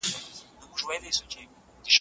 که په کیبورډ کي تڼۍ خرابه وي نو توري نه لیکل کېږي.